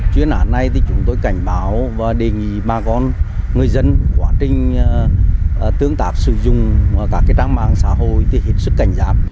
chuyên án này thì chúng tôi cảnh báo và đề nghị bà con người dân quá trình tương tác sử dụng các trang mạng xã hội thì hết sức cảnh giác